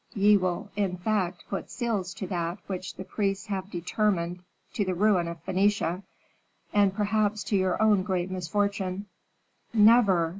Ye will in fact put seals to that which the priests have determined to the ruin of Phœnicia, and perhaps to your own great misfortune." "Never!